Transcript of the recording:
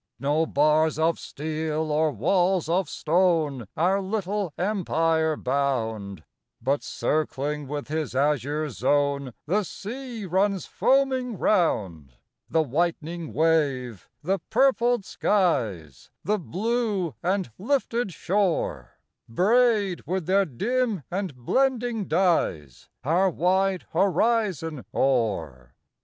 No bars of steel or walls of stone Our little empire bound, But, circling with his azure zone, The sea runs foaming round; The whitening wave, the purpled skies, The blue and lifted shore, Braid with their dim and blending dyes Our wide horizon o'er.